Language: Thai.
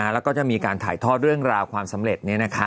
แล้วก็จะมีการถ่ายทอดเรื่องราวความสำเร็จ